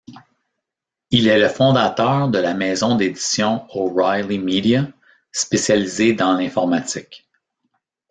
Il est le fondateur de la maison d'édition O'Reilly Media, spécialisée dans l'informatique.